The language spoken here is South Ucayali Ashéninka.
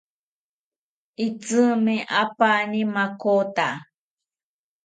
Itzimi apaani makota